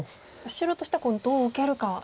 白としてはどう受けるか。